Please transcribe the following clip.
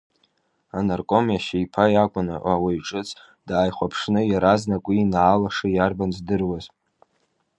Анарком иашьеиԥа иакәын, ауаҩҿыц дааихәаԥшны, иаразнак уи инаалаша иарбан здыруаз.